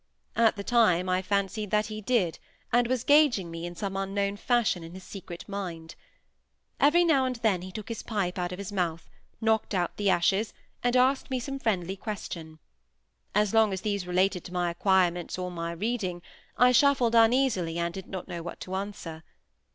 At the time I fancied that he did, and was gauging me in some unknown fashion in his secret mind. Every now and then he took his pipe out of his mouth, knocked out the ashes, and asked me some fresh question. As long as these related to my acquirements or my reading, I shuffled uneasily and did not know what to answer.